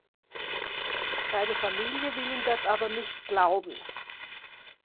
Seine Familie will ihm das aber nicht glauben.